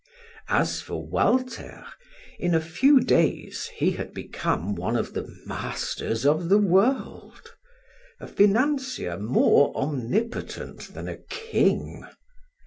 As for Walter, in a few days he had become one of the masters of the world a financier more omnipotent than a king.